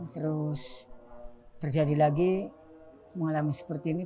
terus terjadi lagi mengalami seperti ini